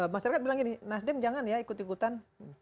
masyarakat bilang gini nasdem jangan ya ikut ikutan